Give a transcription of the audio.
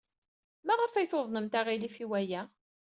Maɣef ay tuḍnemt aɣilif i waya?